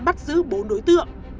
bắt giữ bốn đối tượng